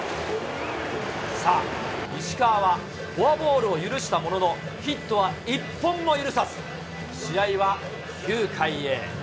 さあ、石川はフォアボールを許したものの、ヒットは１本も許さず、試合は９回へ。